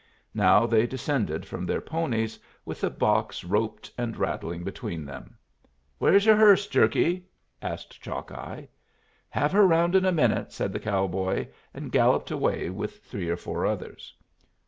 Now they descended from their ponies, with the box roped and rattling between them. "Where's your hearse, Jerky?" asked Chalkeye. "Have her round in a minute," said the cowboy, and galloped away with three or four others.